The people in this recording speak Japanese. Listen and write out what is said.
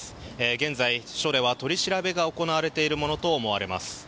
現在、署では取り調べが行われているものと思われます。